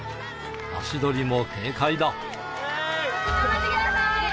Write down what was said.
足取りも軽快だ。